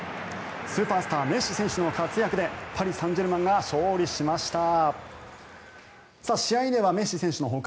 スーパースターメッシ選手の活躍でパリ・サンジェルマンが勝利しました。